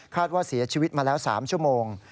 ว่าเสียชีวิตมาแล้ว๓ชั่วโมง